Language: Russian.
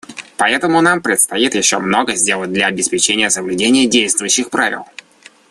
Поэтому нам предстоит еще много сделать для обеспечения соблюдения действующих правил.